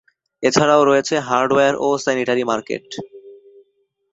এছাড়াও রয়েছে হার্ডওয়্যার ও স্যানিটারি মার্কেট।